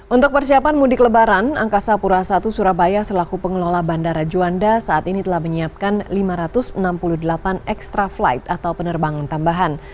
untuk persiapan mudik lebaran angkasa pura i surabaya selaku pengelola bandara juanda saat ini telah menyiapkan lima ratus enam puluh delapan extra flight atau penerbangan tambahan